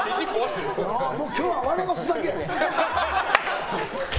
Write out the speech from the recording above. もう今日は笑わすだけやね。